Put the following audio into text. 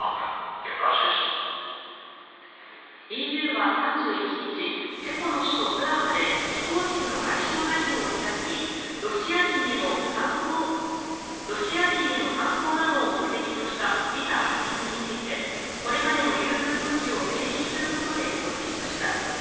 ＥＵは３１日チェコの首都プラハで非公式の外相会合を開きロシア人への観光などを目的としたビザ発給についてこれまでの優遇措置を停止することで合意しました。